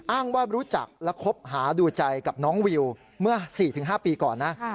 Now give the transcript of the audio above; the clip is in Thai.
อ้างว่ารู้จักและคบหาดูใจกับน้องวิวเมื่อ๔๕ปีก่อนนะ